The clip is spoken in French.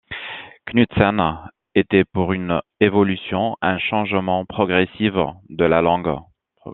Knudsen était pour une évolution, un changement progressif de la langue.